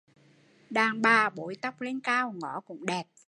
Đàn bà bối tóc lên cao ngó cũng đẹp